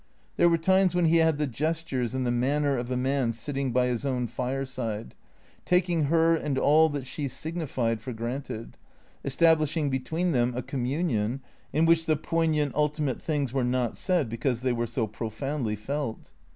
There were times when he had the gestures and the manner of a man sitting by his own fireside, taking her and all that she signified for granted, establishing between them a communion in which the poignant, ultimate things were not said because they were so profoundly felt.